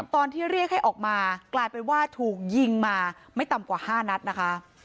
ตอนที่เรียกให้ออกมากลายเป็นว่าถูกยิงมาไม่ต่ำกว่า๕นัดนะคะ